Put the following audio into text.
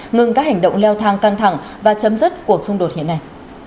ngừng các hành động leo thang căng thẳng và chấm dứt cuộc xung đột hiện nay